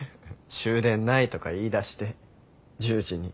終電ないとか言いだして１０時に。